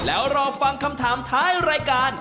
แล้วรอฟังคำถามท้ายรายการ